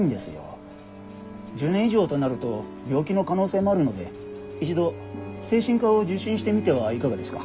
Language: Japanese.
１０年以上となると病気の可能性もあるので一度精神科を受診してみてはいかがですか？